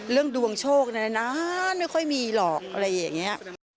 ดวงโชคนานไม่ค่อยมีหรอกอะไรอย่างนี้